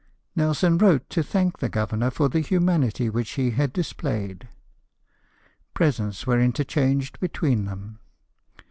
Nelson wrote to thank the governor for the humanity which he had dis played. Presents were interchanged between them.